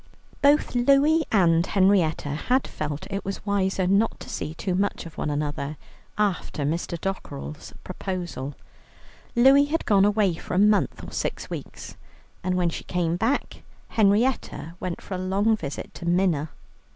Both Louie and Henrietta had felt it was wiser not to see too much of one another after Mr. Dockerell's proposal. Louie had gone away for a month or six weeks, and when she came back, Henrietta went for a long visit to Minna.